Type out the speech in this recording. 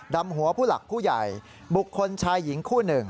ดำหัวผู้หลักผู้ใหญ่บุคคลชายหญิงคู่หนึ่ง